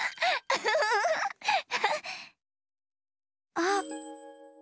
あっ！